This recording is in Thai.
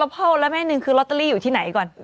พ่อและแม่หนึ่งคือลอตเตอรี่อยู่ที่ไหนก่อน